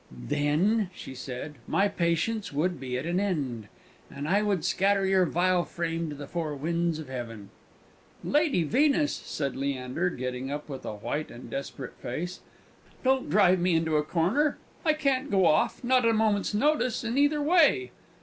"Then," she said, "my patience would be at an end, and I would scatter your vile frame to the four winds of heaven!" "Lady Venus," said Leander, getting up with a white and desperate face, "don't drive me into a corner. I can't go off, not at a moment's notice in either way!